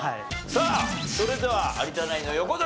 さあそれでは有田ナインの横取りビンゴ。